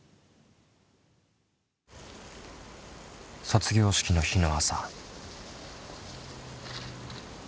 卒業式の日の朝。